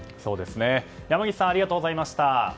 山岸さんありがとうございました。